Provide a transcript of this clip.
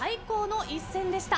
最高の一戦でした。